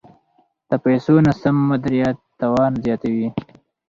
د پیسو ناسم مدیریت تاوان زیاتوي.